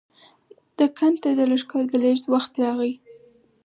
دکن ته د لښکر د لېږد وخت راغی.